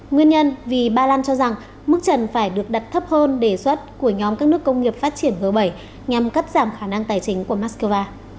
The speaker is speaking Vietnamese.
nguyên nhân vì ba lan cho rằng mức trần phải được đặt thấp hơn đề xuất của nhóm các nước công nghiệp phát triển g bảy nhằm cắt giảm khả năng tài chính của moscow